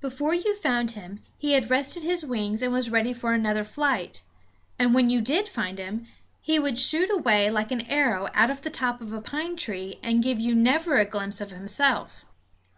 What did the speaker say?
Before you found him he had rested his wings and was ready for another flight; and when you did find him he would shoot away like an arrow out of the top of a pine tree and give you never a glimpse of himself.